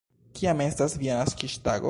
Kiam estas via naskiĝtago?